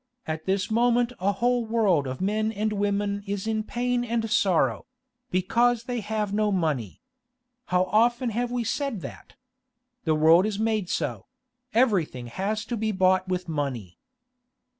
At this moment a whole world of men and women is in pain and sorrow—because they have no money. How often have we said that? The world is made so; everything has to be bought with money.